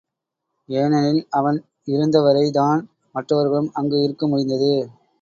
ஏனெனில், அவன் இருந்தவரை தான், மற்றவர்களும் அங்கு இருக்க முடிந்தது.